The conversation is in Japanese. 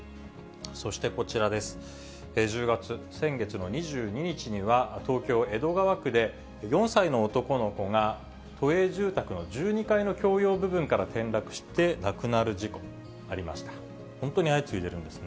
そしてこちらです、１０月、先月の２２日には、東京・江戸川区で４歳の男の子が都営住宅の１２階の共用部分から転落して、亡くなる事故、ありました。